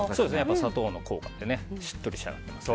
砂糖の効果でしっとり仕上がっています。